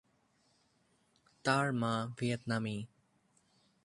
তার মা ভিয়েতনামী।